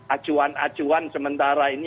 acuan acuan sementara ini